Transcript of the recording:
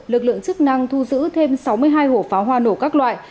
lực lượng chức năng thu giữ thêm sáu mươi hai hộp pháo hoa nổ các loại